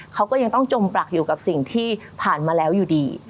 เขาก็ยังต้องจมปรักอยู่กับสิ่งที่ผ่านมาแล้วอยู่ดี